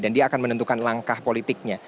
dan dia akan menentukan langkah politiknya